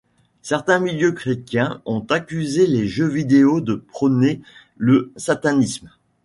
Certains milieux chrétiens ont accusé les jeux vidéo de prôner le satanisme.